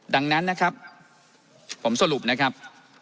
ดังนั้นนะครับผมสรุปนะครับ